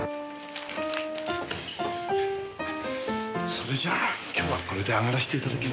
それじゃあ今日はこれで上がらせて頂きます。